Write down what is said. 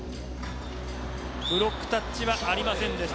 ブロックタッチはありませんでした。